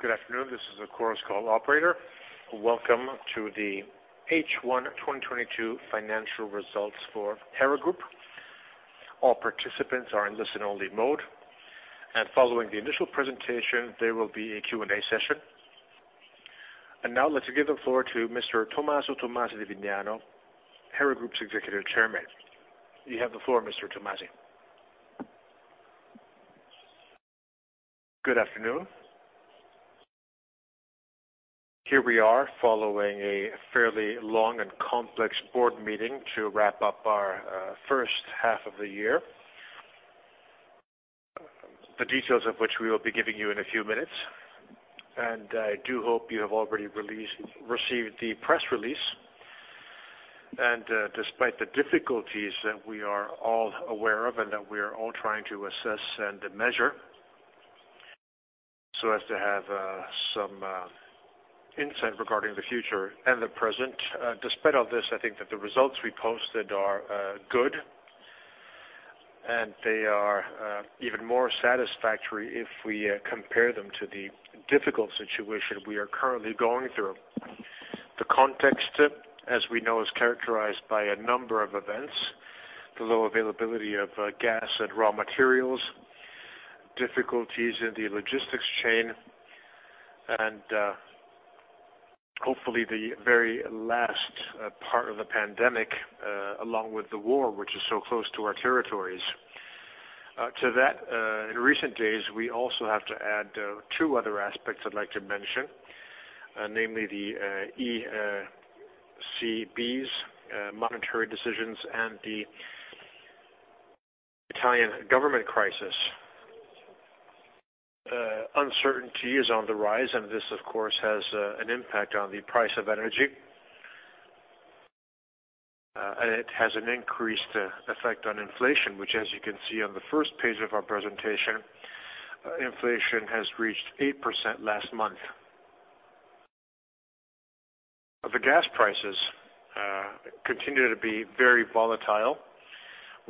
Good afternoon. This is the Chorus Call operator. Welcome to the H1 2022 Financial Results for Hera Group. All participants are in listen-only mode, and following the initial presentation, there will be a Q&A session. Now let's give the floor to Mr. Tomaso Tommasi di Vignano, Hera Group's Executive Chairman. You have the floor, Mr. Tomasi. Good afternoon. Here we are following a fairly long and complex board meeting to wrap up our first half of the year. The details of which we will be giving you in a few minutes, and I do hope you have already received the press release. Despite the difficulties that we are all aware of and that we are all trying to assess and measure so as to have some insight regarding the future and the present. Despite all this, I think that the results we posted are good, and they are even more satisfactory if we compare them to the difficult situation we are currently going through. The context, as we know, is characterized by a number of events. The low availability of gas and raw materials, difficulties in the logistics chain, and hopefully the very last part of the pandemic along with the war, which is so close to our territories. To that, in recent days, we also have to add two other aspects I'd like to mention, namely the ECB's monetary decisions and the Italian government crisis. Uncertainty is on the rise, and this of course has an impact on the price of energy. It has an increased effect on inflation, which as you can see on the first page of our presentation, inflation has reached 8% last month. The gas prices continue to be very volatile,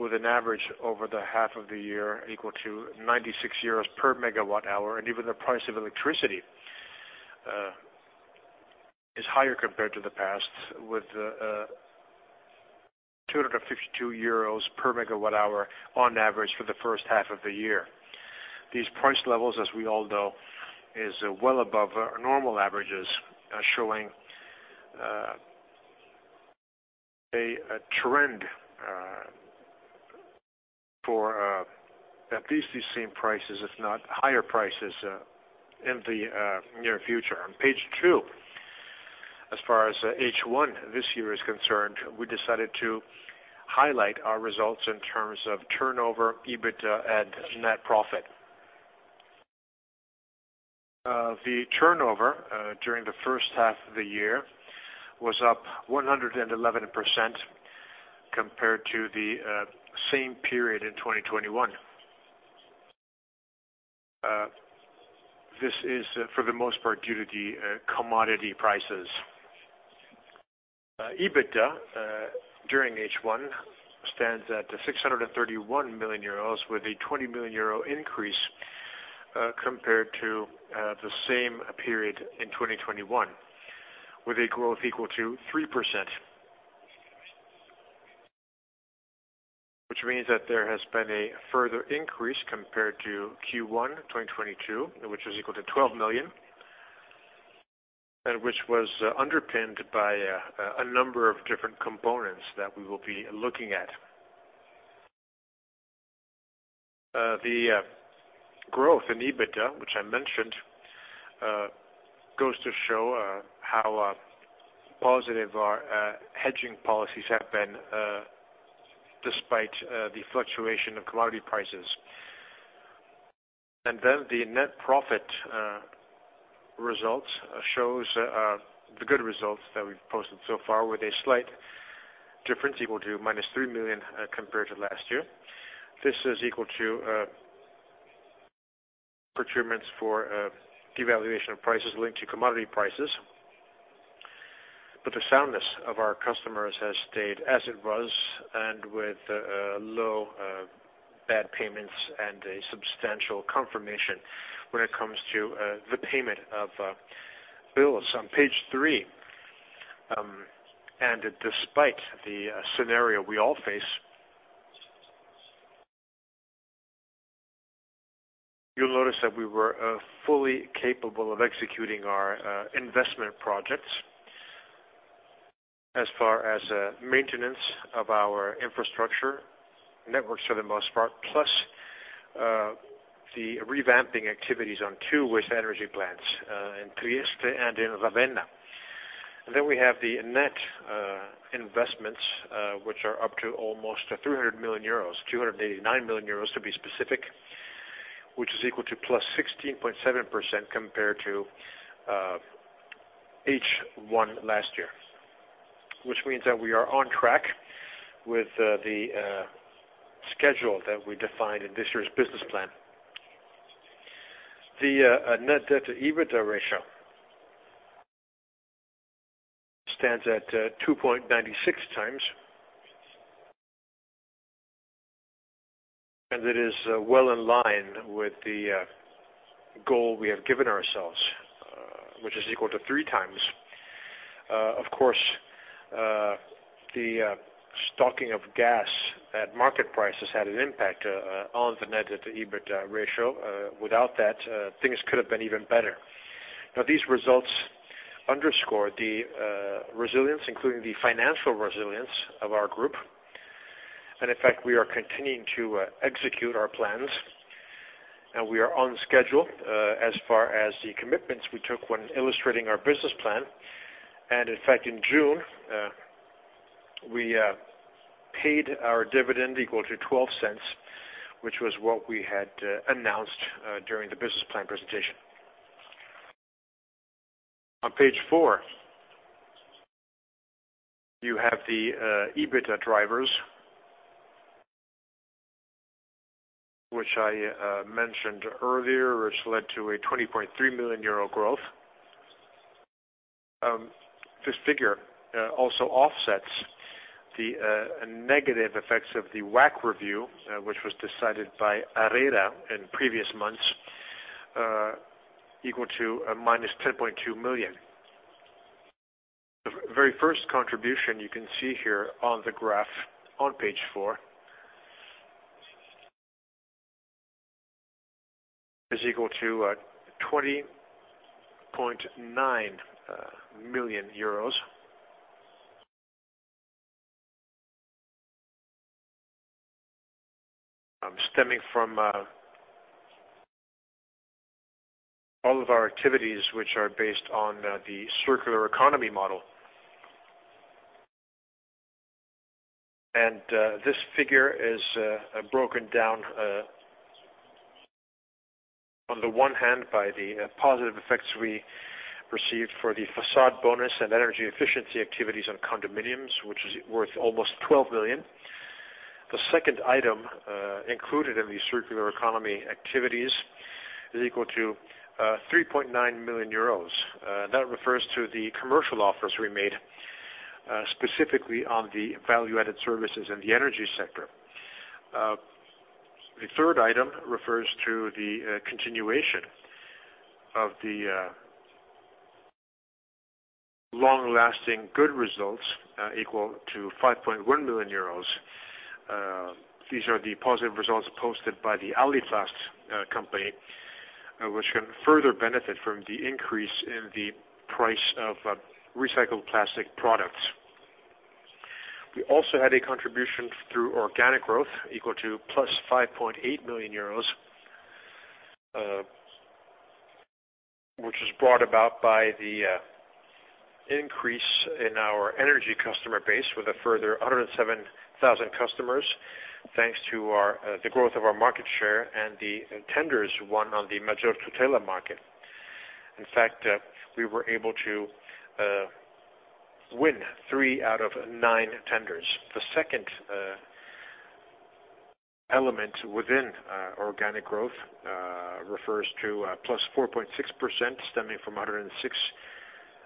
with an average over the half of the year equal to 96 euros per MWh, and even the price of electricity is higher compared to the past, with 252 euros per MWh on average for the first half of the year. These price levels, as we all know, is well above our normal averages, showing a trend for at least the same prices, if not higher prices, in the near future. On page two, as far as H1 this year is concerned, we decided to highlight our results in terms of turnover, EBITDA and net profit. The turnover during the first half of the year was up 111% compared to the same period in 2021. This is for the most part due to the commodity prices. EBITDA during H1 stands at 631 million euros, with a 20 million euro increase compared to the same period in 2021, with a growth equal to 3%. Which means that there has been a further increase compared to Q1 2022, which is equal to 12 million, and which was underpinned by a number of different components that we will be looking at. The growth in EBITDA, which I mentioned, goes to show how positive our hedging policies have been despite the fluctuation of commodity prices. The net profit results shows the good results that we've posted so far with a slight difference equal to -3 million compared to last year. This is equal to procurements for a devaluation of prices linked to commodity prices. The soundness of our customers has stayed as it was and with low bad payments and a substantial confirmation when it comes to the payment of bills. On page three, despite the scenario we all face. You'll notice that we were fully capable of executing our investment projects as far as maintenance of our infrastructure networks for the most part, plus the revamping activities on two waste-to-energy plants in Trieste and in Ravenna. Then we have the net investments, which are up to almost 300 million euros, 289 million euros to be specific, which is equal to +16.7% compared to H1 last year. Which means that we are on track with the schedule that we defined in this year's business plan. The net debt-to-EBITDA ratio stands at 2.96x. It is well in line with the goal we have given ourselves, which is equal to 3x. Of course, the stocking of gas at market price has had an impact on the net debt-to-EBITDA ratio. Without that, things could have been even better. Now, these results underscore the resilience, including the financial resilience of our group. In fact, we are continuing to execute our plans, and we are on schedule as far as the commitments we took when illustrating our business plan. In fact, in June we paid our dividend equal to 0.12, which was what we had announced during the business plan presentation. On page four, you have the EBITDA drivers, which I mentioned earlier, which led to a 20.3 million euro growth. This figure also offsets the negative effects of the WACC review, which was decided by ARERA in previous months, equal to -10.2 million. The very first contribution you can see here on the graph on page four is equal to EUR 20.9 million. Stemming from all of our activities which are based on the circular economy model. This figure is broken down on the one hand by the positive effects we received for the bonus facciate and energy efficiency activities on condominiums, which is worth almost 12 million. The second item included in the circular economy activities is equal to 3.9 million euros. That refers to the commercial offers we made specifically on the value-added services in the energy sector. The third item refers to the continuation of the long-lasting good results equal to 5.1 million euros. These are the positive results posted by the Aliplast company which can further benefit from the increase in the price of recycled plastic products. We also had a contribution through organic growth equal to +5.8 million euros, which is brought about by the increase in our energy customer base with a further 107,000 customers, thanks to the growth of our market share and the tenders won on the Maggior Tutela market. In fact, we were able to win three out of nine tenders. The second element within organic growth refers to +4.6% stemming from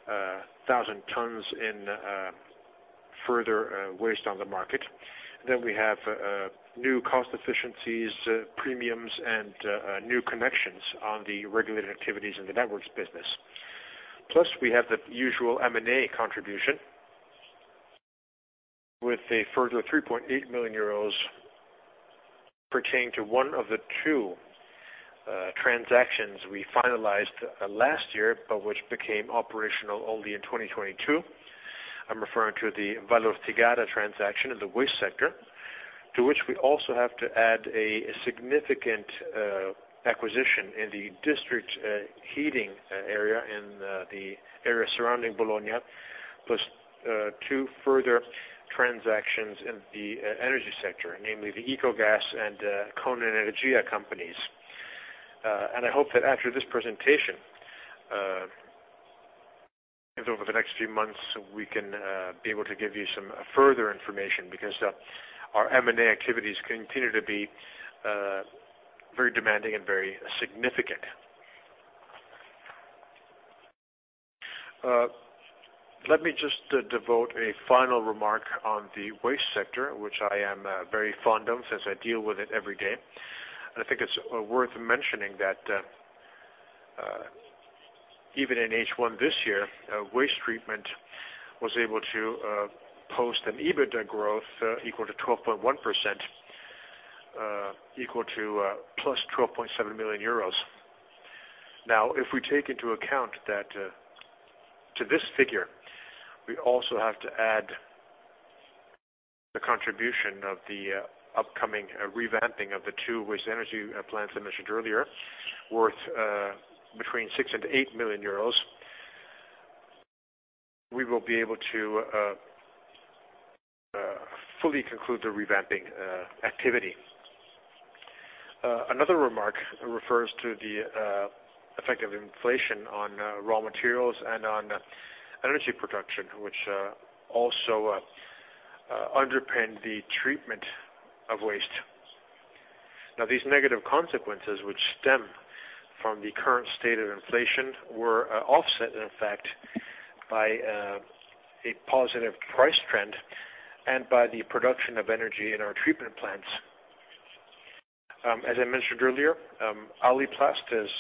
106,000 tons in further waste on the market. We have new cost efficiencies, premiums, and new connections on the regulated activities in the networks business. Plus, we have the usual M&A contribution with a further 3.8 million euros pertaining to one of the two transactions we finalized last year, but which became operational only in 2022. I'm referring to the Vallortigara transaction in the waste sector, to which we also have to add a significant acquisition in the district heating area in the area surrounding Bologna, plus two further transactions in the energy sector, namely the Ecogas and Con Energia companies. I hope that after this presentation and over the next few months, we can be able to give you some further information because our M&A activities continue to be very demanding and very significant. Let me just devote a final remark on the waste sector, which I am very fond of since I deal with it every day. I think it's worth mentioning that even in H1 this year, waste treatment was able to post an EBITDA growth equal to 12.1%, equal to +12.7 million euros. Now, if we take into account that to this figure, we also have to add the contribution of the upcoming revamping of the two waste-to-energy plants I mentioned earlier, worth between 6 million and 8 million euros, we will be able to fully conclude the revamping activity. Another remark refers to the effect of inflation on raw materials and on energy production, which also underpinned the treatment of waste. Now these negative consequences, which stem from the current state of inflation, were offset in effect by a positive price trend and by the production of energy in our treatment plants. As I mentioned earlier, Aliplast is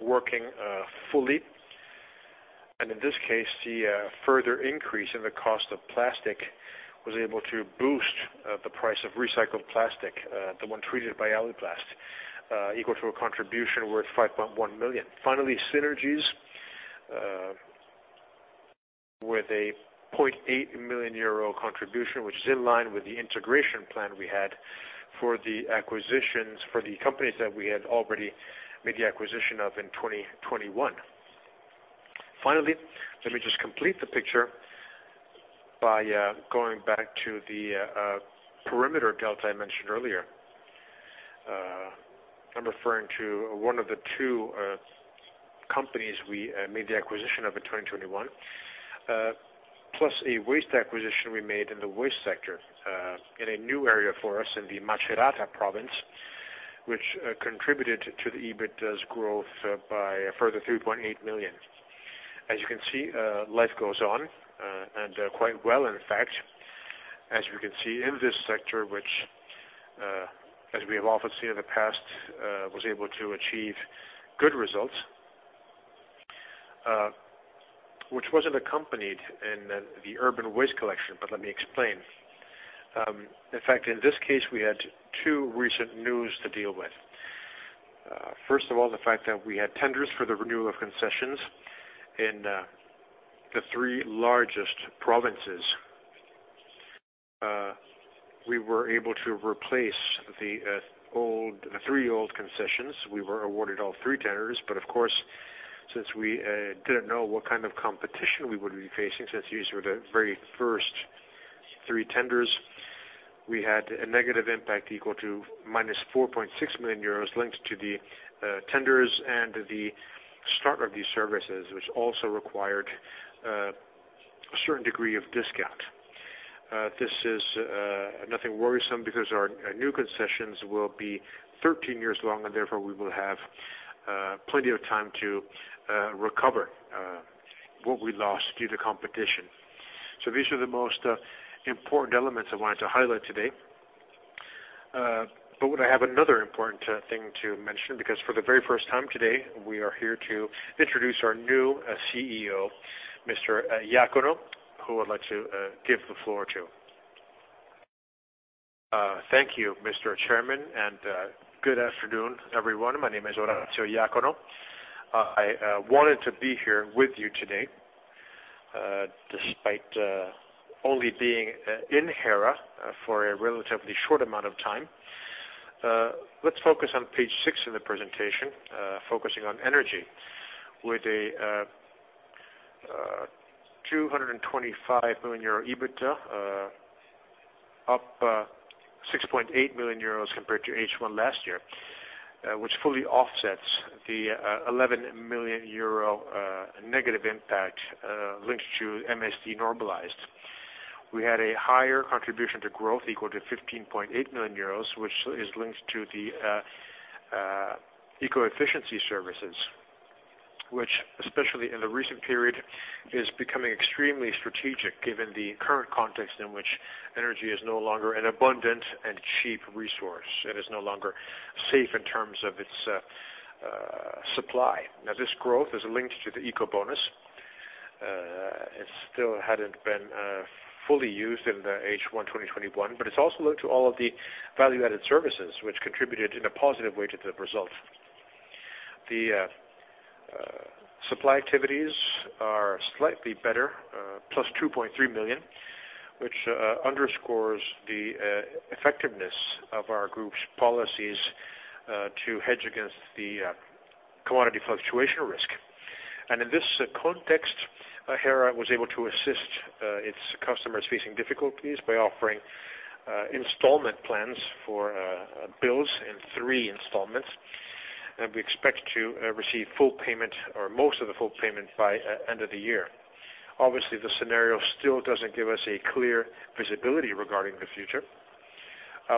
working fully, and in this case, the further increase in the cost of plastic was able to boost the price of recycled plastic, the one treated by Aliplast, equal to a contribution worth 5.1 million. Finally, synergies with 0.8 million euro contribution, which is in line with the integration plan we had for the acquisitions for the companies that we had already made the acquisition of in 2021. Finally, let me just complete the picture by going back to the perimeter delta I mentioned earlier. I'm referring to one of the two companies we made the acquisition of in 2021, plus a waste acquisition we made in the waste sector, in a new area for us in the Macerata province, which contributed to the EBITDA growth by a further 3.8 million. As you can see, life goes on, and quite well, in fact. As you can see in this sector, which as we have often seen in the past was able to achieve good results, which wasn't accompanied in the urban waste collection, but let me explain. In fact, in this case, we had two recent news to deal with. First of all, the fact that we had tenders for the renewal of concessions in the three largest provinces. We were able to replace the three old concessions. We were awarded all three tenders, but of course, since we didn't know what kind of competition we would be facing, since these were the very first three tenders, we had a negative impact equal to -4.6 million euros linked to the tenders and the start of these services, which also required a certain degree of discount. This is nothing worrisome because our new concessions will be 13 years long, and therefore, we will have plenty of time to recover what we lost due to competition. These are the most important elements I wanted to highlight today. I have another important thing to mention, because for the very first time today, we are here to introduce our new CEO, Mr. Iacono, who I'd like to give the floor to. Thank you, Mr. Chairman, and good afternoon, everyone. My name is Orazio Iacono. I wanted to be here with you today despite only being in Hera for a relatively short amount of time. Let's focus on page six of the presentation, focusing on energy with a 225 million euro EBITDA, up 6.8 million euros compared to H1 last year, which fully offsets the 11 million euro negative impact linked to MSD normalized. We had a higher contribution to growth equal to 15.8 million euros, which is linked to the eco-efficiency services, which especially in the recent period, is becoming extremely strategic given the current context in which energy is no longer an abundant and cheap resource. It is no longer safe in terms of its supply. Now, this growth is linked to the Ecobonus. It still hadn't been fully used in the H1 2021, but it's also linked to all of the value-added services which contributed in a positive way to the result. The supply activities are slightly better, +2.3 million, which underscores the effectiveness of our group's policies to hedge against the commodity fluctuation risk. In this context, Hera was able to assist its customers facing difficulties by offering installment plans for bills in three installments. We expect to receive full payment or most of the full payment by end of the year. Obviously, the scenario still doesn't give us a clear visibility regarding the future.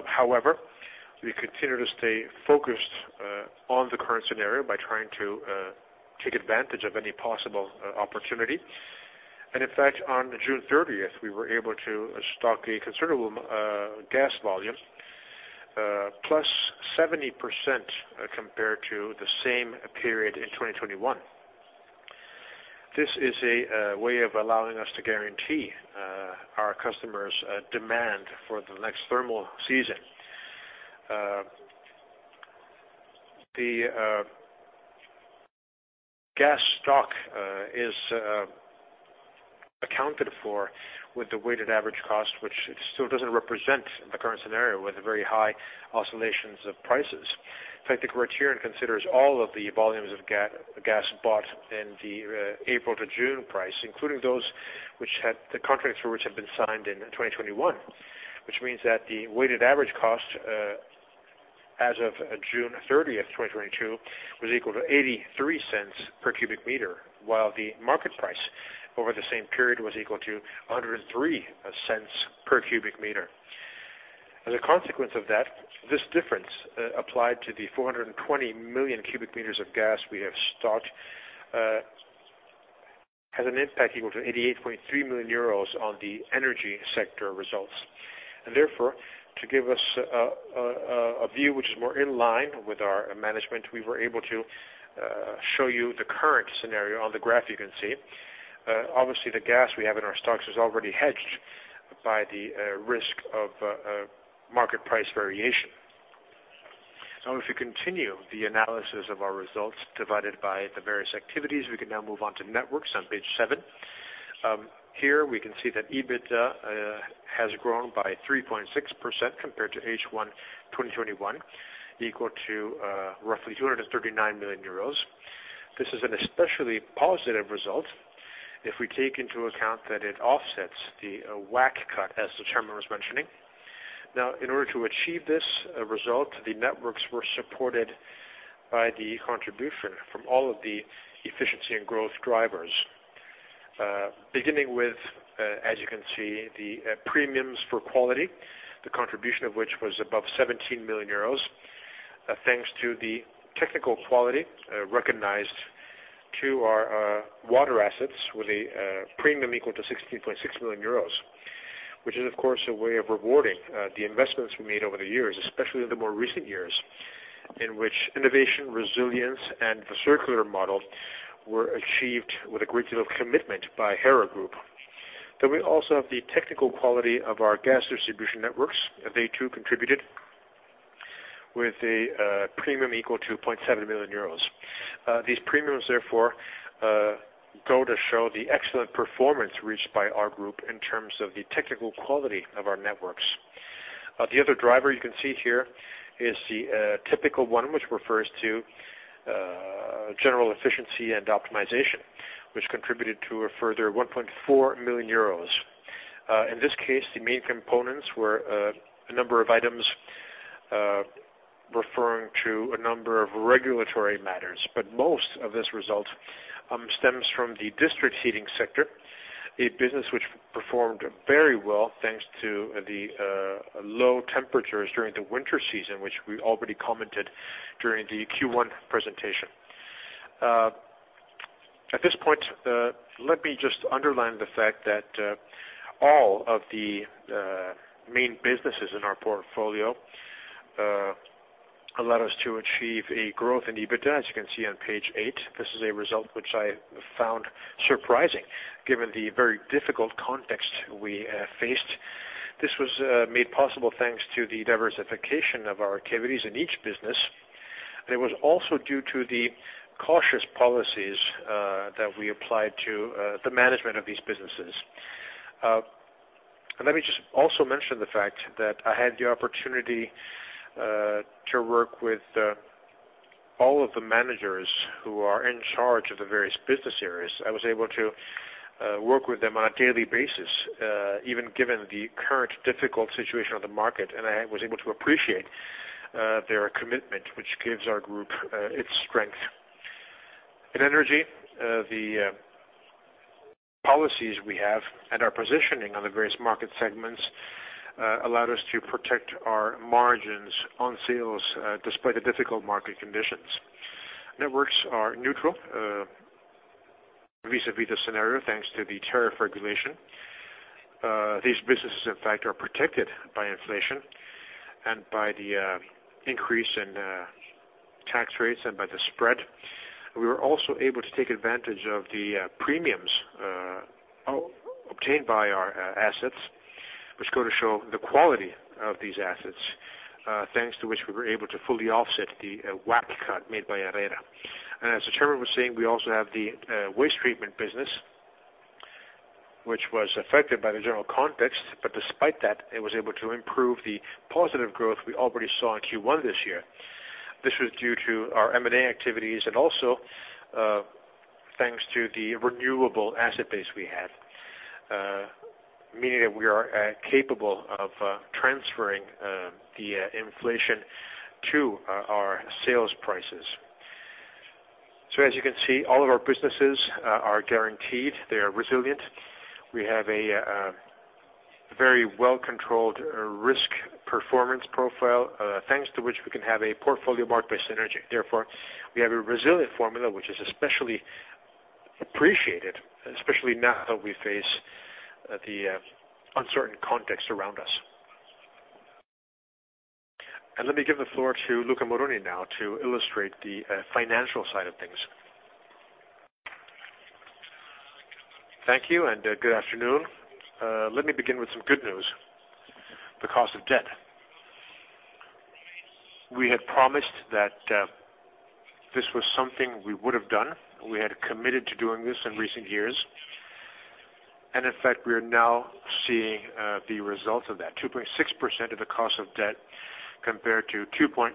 However, we continue to stay focused on the current scenario by trying to take advantage of any possible opportunity. In fact, on June 30th, we were able to stock a considerable gas volume, +70%, compared to the same period in 2021. This is a way of allowing us to guarantee our customers' demand for the next thermal season. The gas stock is accounted for with the weighted average cost, which still doesn't represent the current scenario with very high oscillations of prices. In fact, the criterion considers all of the volumes of gas bought in the April to June price, including those which had the contracts for which have been signed in 2021. Which means that the weighted average cost, as of June 30, 2022, was equal to 0.83 per cubic meter, while the market price over the same period was equal to 1.03 per cubic meter. As a consequence of that, this difference applied to the 420 million cubic meters of gas we have stocked has an impact equal to 88.3 million euros on the energy sector results. Therefore, to give us a view which is more in line with our management, we were able to show you the current scenario on the graph you can see. Obviously the gas we have in our stocks is already hedged by the risk of market price variation. Now, if you continue the analysis of our results divided by the various activities, we can now move on to networks on page seven. Here we can see that EBITDA has grown by 3.6% compared to H1 2021, equal to roughly 239 million euros. This is an especially positive result if we take into account that it offsets the WACC cut, as the chairman was mentioning. Now, in order to achieve this result, the networks were supported by the contribution from all of the efficiency and growth drivers. Beginning with, as you can see, the premiums for quality, the contribution of which was above 17 million euros, thanks to the technical quality recognized to our water assets with a premium equal to 16.6 million euros. Which is, of course, a way of rewarding the investments we made over the years, especially in the more recent years, in which innovation, resilience, and the circular model were achieved with a great deal of commitment by Hera Group. We also have the technical quality of our gas distribution networks. They too contributed with a premium equal to 0.7 million euros. These premiums, therefore, go to show the excellent performance reached by our group in terms of the technical quality of our networks. The other driver you can see here is the typical one, which refers to general efficiency and optimization, which contributed to a further 1.4 million euros. In this case, the main components were a number of items referring to a number of regulatory matters, but most of this result stems from the district heating sector, a business which performed very well, thanks to the low temperatures during the winter season, which we already commented during the Q1 presentation. At this point, let me just underline the fact that, all of the, main businesses in our portfolio, allowed us to achieve a growth in EBITDA, as you can see on page eight. This is a result which I found surprising given the very difficult context we faced. This was made possible thanks to the diversification of our activities in each business. It was also due to the cautious policies, that we applied to, the management of these businesses. Let me just also mention the fact that I had the opportunity, to work with, all of the managers who are in charge of the various business areas. I was able to work with them on a daily basis, even given the current difficult situation on the market, and I was able to appreciate their commitment, which gives our group its strength. In energy, the policies we have and our positioning on the various market segments allowed us to protect our margins on sales, despite the difficult market conditions. Networks are neutral vis-à-vis the scenario, thanks to the tariff regulation. These businesses, in fact, are protected by inflation and by the increase in tax rates and by the spread. We were also able to take advantage of the premiums obtained by our assets, which go to show the quality of these assets, thanks to which we were able to fully offset the WACC cut made by ARERA. As the chairman was saying, we also have the waste treatment business, which was affected by the general context, but despite that, it was able to improve the positive growth we already saw in Q1 this year. This was due to our M&A activities and also thanks to the renewable asset base we have, meaning that we are capable of transferring the inflation to our sales prices. As you can see, all of our businesses are guaranteed. They are resilient. We have a very well-controlled risk performance profile, thanks to which we can have a portfolio marked by synergy. Therefore, we have a resilient formula, which is especially appreciated, especially now that we face the uncertain context around us. Let me give the floor to Luca Moroni now to illustrate the financial side of things. Thank you, good afternoon. Let me begin with some good news. The cost of debt. We had promised that this was something we would have done. We had committed to doing this in recent years. In fact, we are now seeing the result of that, 2.6% of the cost of debt, compared to 2.8%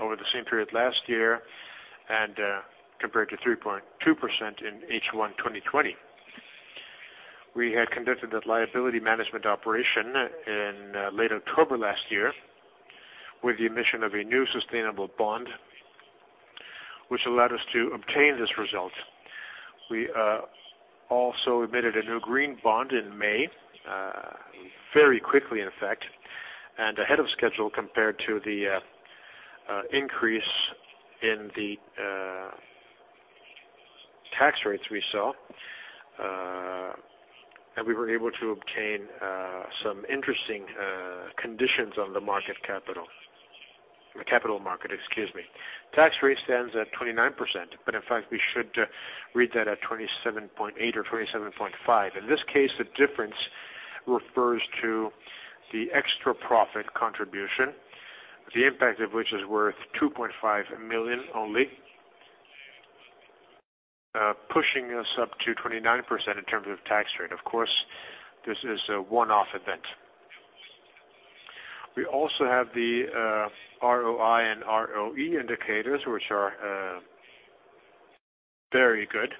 over the same period last year, and compared to 3.2% in H1 2020. We had conducted a liability management operation in late October last year with the emission of a new sustainable bond, which allowed us to obtain this result. We also admitted a new green bond in May, very quickly in effect, and ahead of schedule compared to the increase in the tax rates we saw. We were able to obtain some interesting conditions on the market capital. The capital market, excuse me. Tax rate stands at 29%, but in fact, we should read that at 27.8% or 27.5%. In this case, the difference refers to the extra profit contribution, the impact of which is worth 2.5 million only. Pushing us up to 29% in terms of tax rate. Of course, this is a one-off event. We also have the ROI and ROE indicators, which are very good.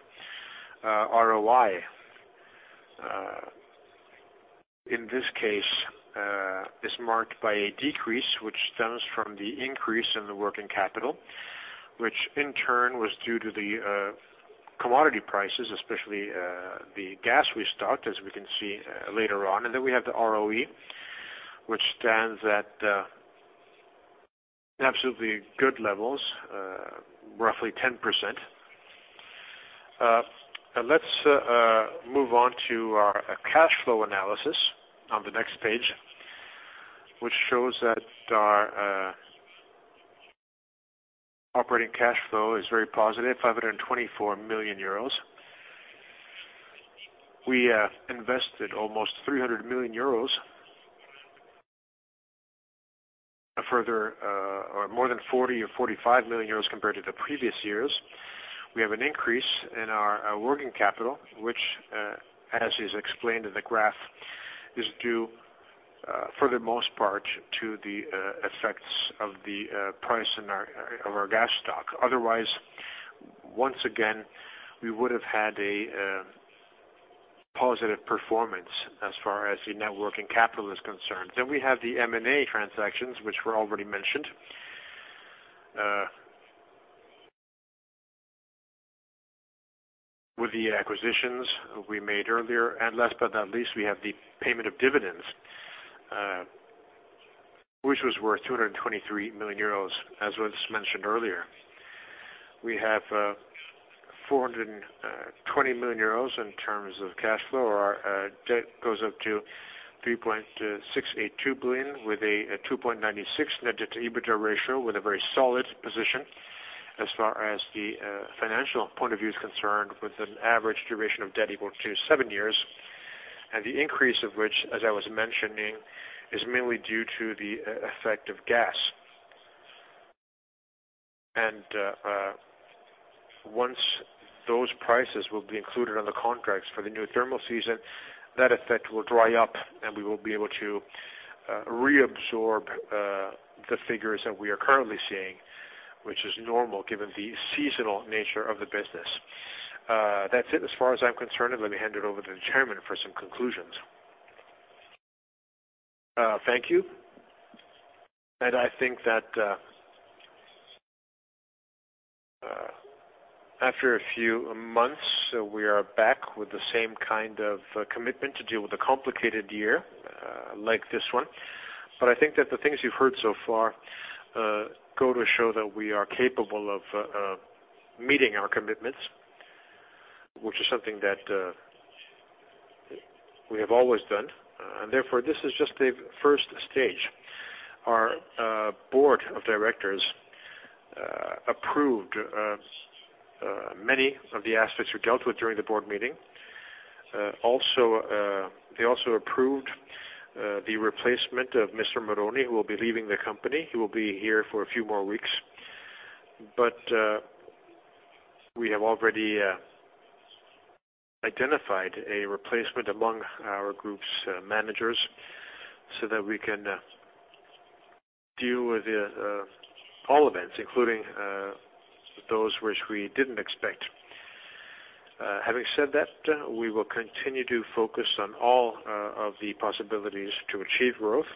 ROI, in this case, is marked by a decrease which stems from the increase in the working capital, which in turn was due to the commodity prices, especially the gas we stocked, as we can see later on. We have the ROE, which stands at absolutely good levels, roughly 10%. Let's move on to our cash flow analysis on the next page, which shows that our operating cash flow is very positive, 524 million euros. We invested almost 300 million euros. A further or more than 40 million or 45 million euros compared to the previous years. We have an increase in our working capital, which, as is explained in the graph, is due, for the most part, to the effects of the price increases of our gas stock. Otherwise, once again, we would have had a positive performance as far as the net working capital is concerned. We have the M&A transactions, which were already mentioned. With the acquisitions we made earlier. Last but not least, we have the payment of dividends, which was worth 223 million euros, as was mentioned earlier. We have 420 million euros in terms of cash flow. Our debt goes up to 3.682 billion with a 2.96 net debt-to-EBITDA ratio with a very solid position as far as the financial point of view is concerned, with an average duration of debt equal to seven years. The increase of which, as I was mentioning, is mainly due to the effect of gas. Once those prices will be included on the contracts for the new thermal season, that effect will dry up, and we will be able to reabsorb the figures that we are currently seeing, which is normal given the seasonal nature of the business. That's it as far as I'm concerned. Let me hand it over to the chairman for some conclusions. Thank you. I think that after a few months, we are back with the same kind of commitment to deal with a complicated year like this one. I think that the things you've heard so far go to show that we are capable of meeting our commitments, which is something that we have always done. Therefore, this is just a first stage. Our board of directors approved many of the aspects we dealt with during the board meeting. Also, they also approved the replacement of Mr. Moroni, who will be leaving the company. He will be here for a few more weeks. We have already identified a replacement among our group's managers so that we can deal with all events, including those which we didn't expect. Having said that, we will continue to focus on all of the possibilities to achieve growth.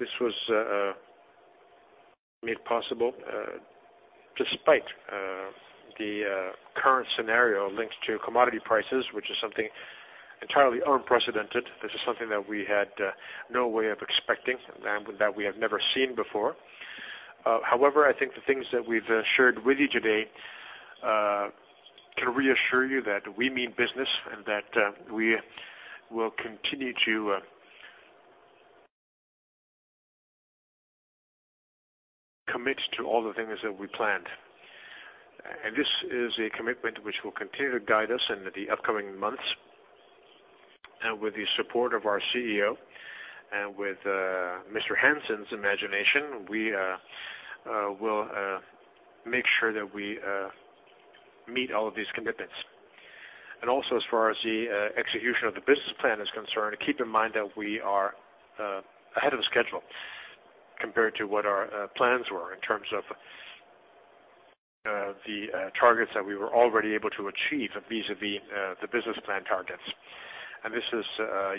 This was made possible despite the current scenario linked to commodity prices, which is something entirely unprecedented. This is something that we had no way of expecting and that we have never seen before. However, I think the things that we've shared with you today can reassure you that we mean business and that we will continue to commit to all the things that we planned. This is a commitment which will continue to guide us into the upcoming months. With the support of our CEO and with Mr. Hansen's imagination, we will make sure that we meet all of these commitments. Also, as far as the execution of the business plan is concerned, keep in mind that we are ahead of schedule compared to what our plans were in terms of the targets that we were already able to achieve vis-à-vis the business plan targets. This is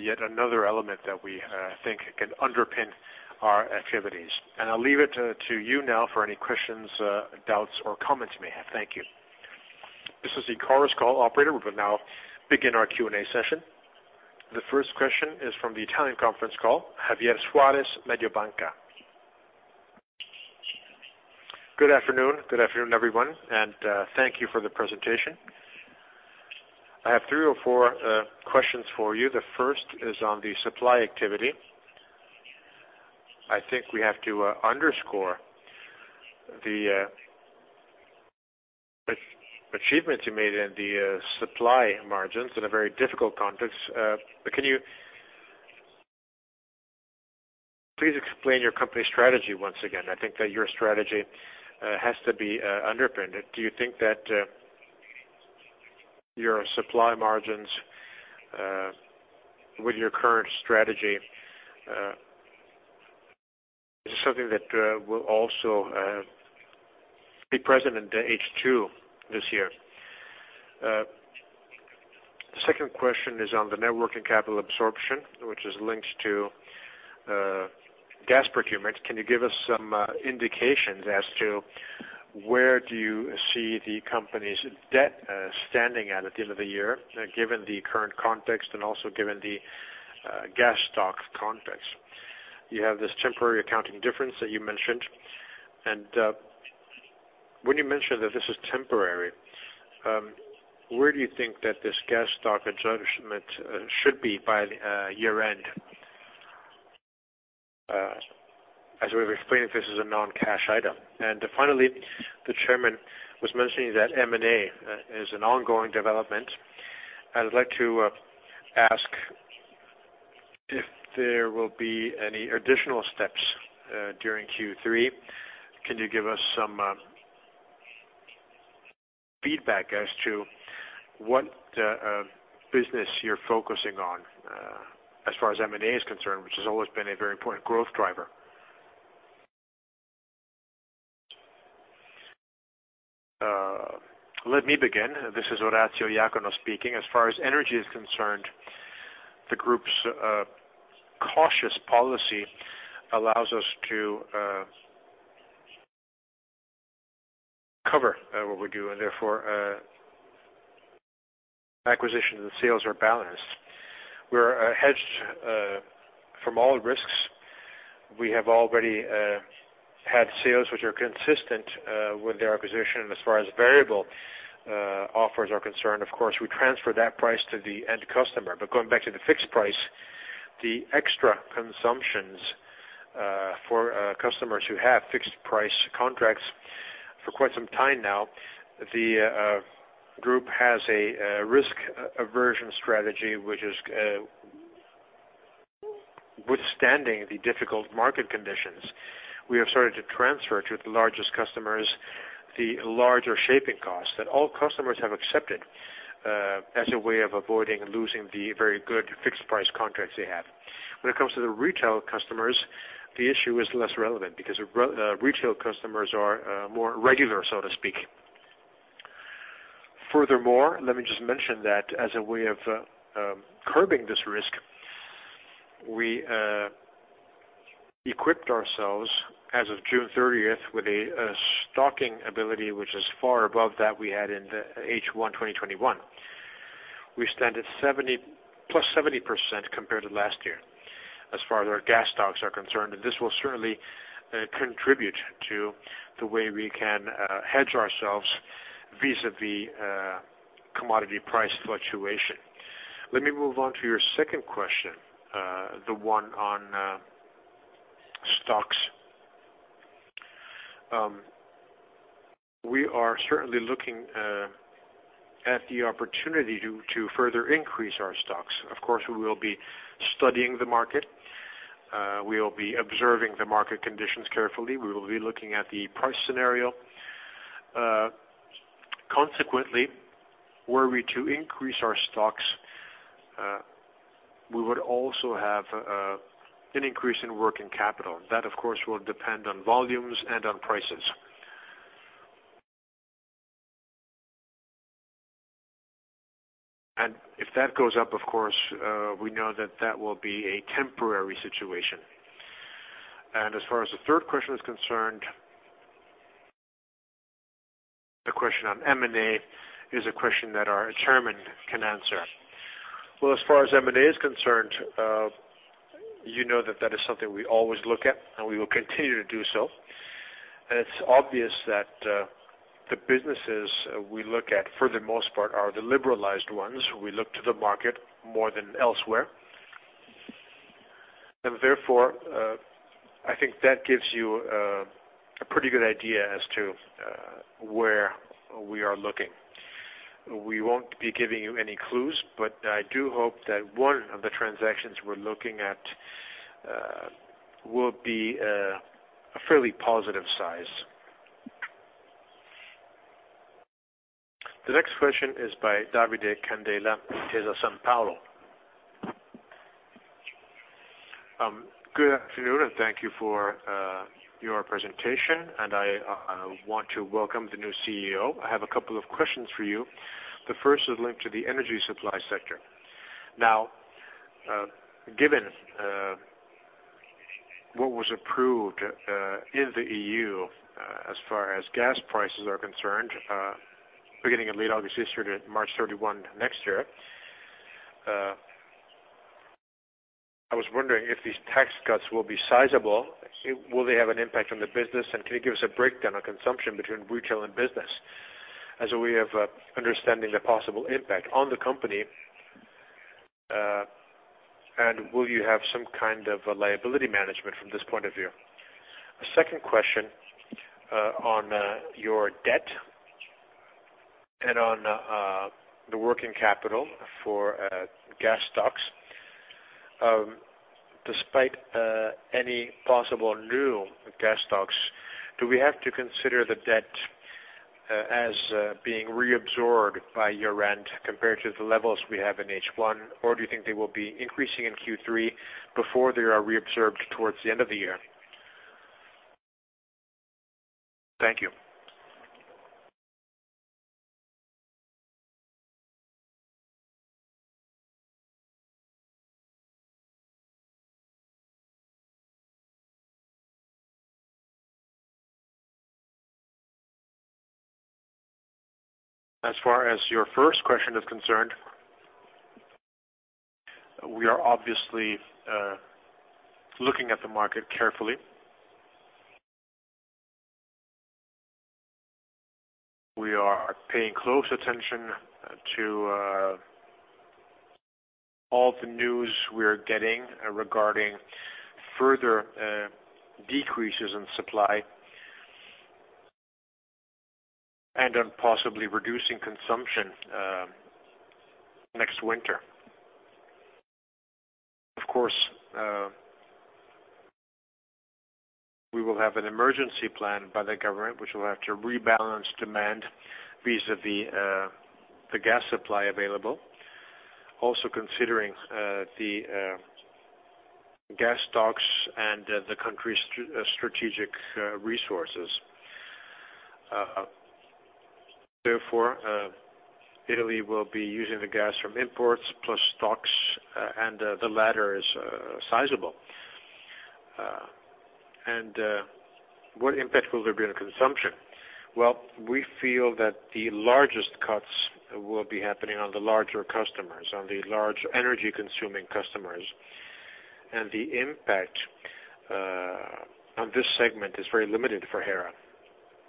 yet another element that we think can underpin our activities. I'll leave it to you now for any questions, doubts, or comments you may have. Thank you. This is the Chorus Call operator. We'll now begin our Q&A session. The first question is from the Italian conference call, Javier Suárez, Mediobanca. Good afternoon. Good afternoon, everyone, and thank you for the presentation. I have three or four questions for you. The first is on the supply activity. I think we have to underscore the achievements you made in the supply margins in a very difficult context. Can you please explain your company strategy once again? I think that your strategy has to be underpinned. Do you think that your supply margins with your current strategy is something that will also be present in the H2 this year? Second question is on the network and capital absorption, which is linked to gas procurements. Can you give us some indications as to where do you see the company's debt standing at the end of the year, given the current context and also given the gas stocks context? You have this temporary accounting difference that you mentioned, and when you mention that this is temporary, where do you think that this gas stock adjustment should be by year-end? As we've explained, this is a non-cash item. Finally, the chairman was mentioning that M&A is an ongoing development. I'd like to ask if there will be any additional steps during Q3. Can you give us some feedback as to what business you're focusing on as far as M&A is concerned, which has always been a very important growth driver? Let me begin. This is Orazio Iacono speaking. As far as energy is concerned, the group's cautious policy allows us to cover what we do, and therefore, acquisitions and sales are balanced. We're hedged from all risks. We have already had sales which are consistent with their acquisition. As far as variable offers are concerned, of course, we transfer that price to the end customer. Going back to the fixed price, the extra consumptions for customers who have fixed price contracts for quite some time now, the group has a risk aversion strategy, which is withstanding the difficult market conditions. We have started to transfer to the largest customers the larger shaping costs that all customers have accepted as a way of avoiding losing the very good fixed price contracts they have. When it comes to the retail customers, the issue is less relevant because retail customers are more regular, so to speak. Furthermore, let me just mention that as a way of curbing this risk, we equipped ourselves as of June thirtieth with a stocking ability which is far above that we had in the H1 2021. We stand at +70% compared to last year as far as our gas stocks are concerned, and this will certainly contribute to the way we can hedge ourselves vis-à-vis commodity price fluctuation. Let me move on to your second question, the one on stocks. We are certainly looking at the opportunity to further increase our stocks. Of course, we will be studying the market. We will be observing the market conditions carefully. We will be looking at the price scenario. Consequently, were we to increase our stocks, we would also have an increase in working capital. That, of course, will depend on volumes and on prices. If that goes up, of course, we know that that will be a temporary situation. As far as the third question is concerned, the question on M&A is a question that our chairman can answer. Well, as far as M&A is concerned, you know that that is something we always look at, and we will continue to do so. It's obvious that, the businesses, we look at, for the most part, are the liberalized ones. We look to the market more than elsewhere. Therefore, I think that gives you, a pretty good idea as to, where we are looking. We won't be giving you any clues, but I do hope that one of the transactions we're looking at, will be, a fairly positive size. The next question is by Davide Candela, Intesa Sanpaolo. Good afternoon, and thank you for your presentation, and I want to welcome the new CEO. I have a couple of questions for you. The first is linked to the energy supply sector. Now, given what was approved in the EU as far as gas prices are concerned, beginning in late August this year to March 31 next year, I was wondering if these tax cuts will be sizable. Will they have an impact on the business? And can you give us a breakdown on consumption between retail and business as a way of understanding the possible impact on the company? And will you have some kind of a liability management from this point of view? A second question on your debt and on the working capital for gas stocks. Despite any possible new gas stocks, do we have to consider the debt as being reabsorbed by your net compared to the levels we have in H1, or do you think they will be increasing in Q3 before they are reabsorbed towards the end of the year? Thank you. As far as your first question is concerned, we are obviously looking at the market carefully. We are paying close attention to all the news we are getting regarding further decreases in supply. On possibly reducing consumption next winter. Of course, we will have an emergency plan by the government, which will have to rebalance demand vis-à-vis the gas supply available, also considering the gas stocks and the country's strategic resources. Therefore, Italy will be using the gas from imports plus stocks, and the latter is sizable. What impact will there be on consumption? Well, we feel that the largest cuts will be happening on the larger customers, on the large energy consuming customers. The impact on this segment is very limited for Hera.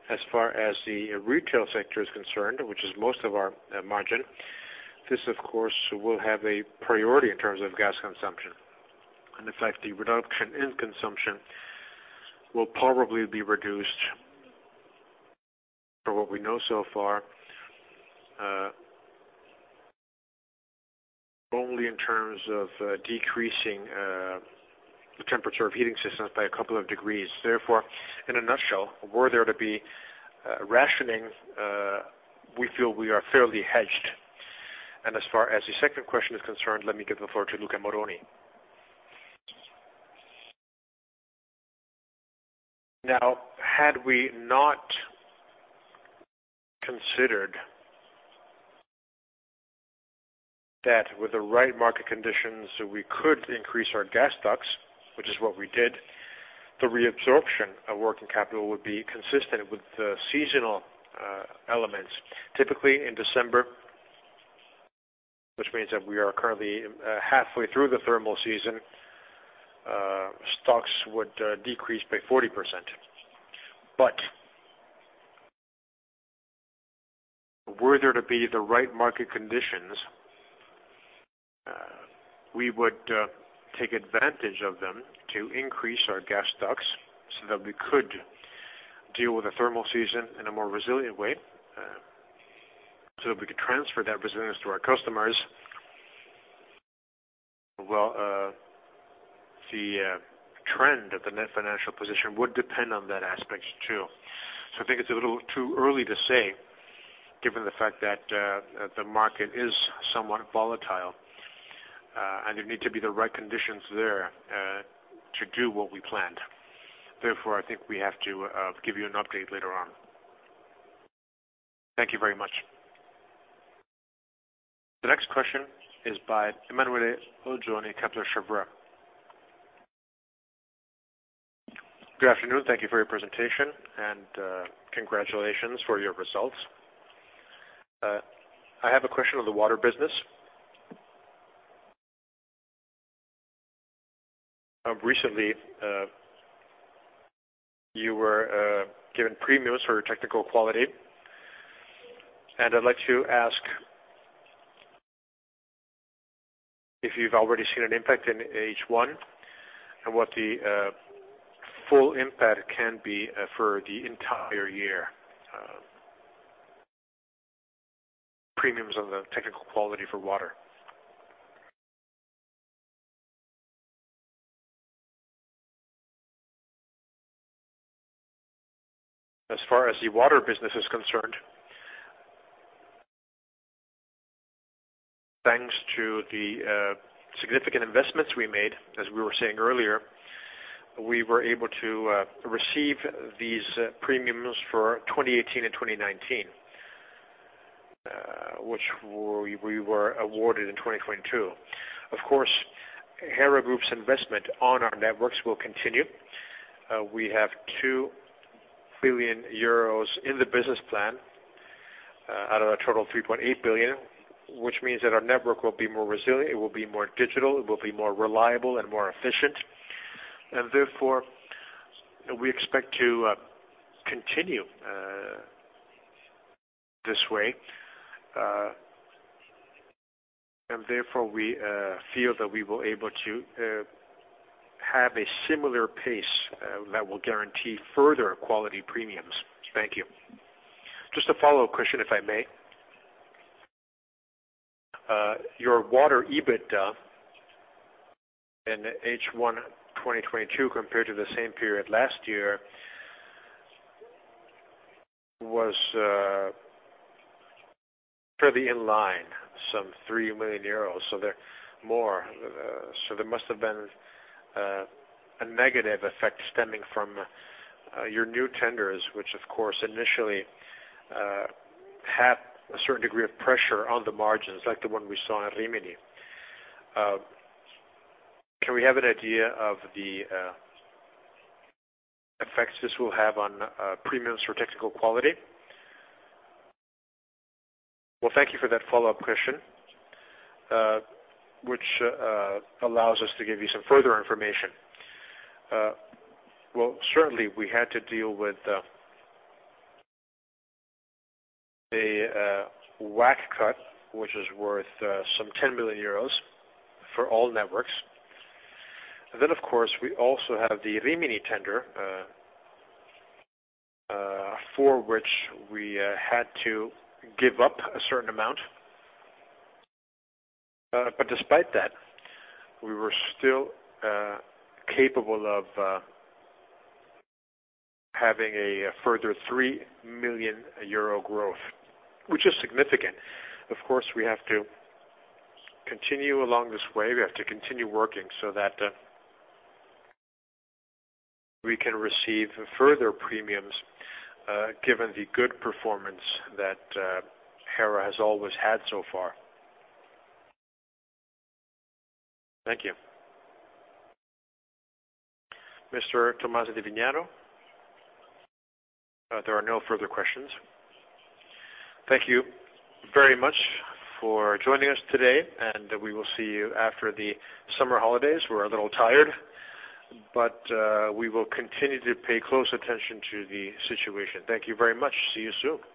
As far as the retail sector is concerned, which is most of our margin, this, of course, will have a priority in terms of gas consumption. In fact, the reduction in consumption will probably be reduced, from what we know so far, only in terms of decreasing the temperature of heating systems by a couple of degrees. Therefore, in a nutshell, were there to be rationing, we feel we are fairly hedged. As far as the second question is concerned, let me give the floor to Luca Moroni. Now, had we not considered that with the right market conditions, we could increase our gas stocks, which is what we did, the reabsorption of working capital would be consistent with the seasonal elements. Typically in December, which means that we are currently halfway through the thermal season, stocks would decrease by 40%. Were there to be the right market conditions, we would take advantage of them to increase our gas stocks so that we could deal with the thermal season in a more resilient way, so that we could transfer that resilience to our customers. Well, the trend of the net financial position would depend on that aspect too. I think it's a little too early to say given the fact that the market is somewhat volatile, and there need to be the right conditions there to do what we planned. Therefore, I think we have to give you an update later on. Thank you very much. The next question is by Emanuele Oggioni, Kepler Cheuvreux. Good afternoon. Thank you for your presentation, and congratulations for your results. I have a question on the water business. Recently, you were given premiums for technical quality, and I'd like to ask if you've already seen an impact in H1 and what the full impact can be for the entire year. Premiums on the technical quality for water. As far as the water business is concerned, thanks to the significant investments we made, as we were saying earlier, we were able to receive these premiums for 2018 and 2019, which we were awarded in 2022. Of course, Hera Group's investment on our networks will continue. We have 2 billion euros in the business plan out of a total 3.8 billion, which means that our network will be more resilient, it will be more digital, it will be more reliable and more efficient. Therefore we expect to continue this way. Therefore we feel that we will able to have a similar pace that will guarantee further quality premiums. Thank you. Just a follow-up question, if I may. Your water EBITDA in H1 2022 compared to the same period last year was fairly in line, some 3 million euros. So there must have been a negative effect stemming from your new tenders, which of course, initially, had a certain degree of pressure on the margins, like the one we saw at Rimini. Can we have an idea of the effects this will have on premiums for technical quality? Well, thank you for that follow-up question, which allows us to give you some further information. Well, certainly we had to deal with a WACC cut, which is worth 10 million euros for all networks. Of course, we also have the Rimini tender for which we had to give up a certain amount. Despite that, we were still capable of having a further 3 million euro growth, which is significant. Of course, we have to continue along this way. We have to continue working so that we can receive further premiums, given the good performance that Hera has always had so far. Thank you. Mr. Tomaso Tommasi di Vignano? There are no further questions. Thank you very much for joining us today, and we will see you after the summer holidays. We're a little tired, but we will continue to pay close attention to the situation. Thank you very much. See you soon.